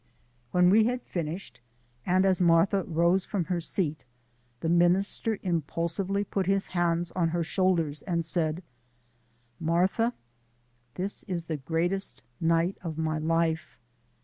When we had finished, and as Martha rose from her seat, the minister impulsively put his hands on her shoulders, and said: "Martha, this is the greatest night of my life."